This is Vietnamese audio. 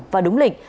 và đúng lịch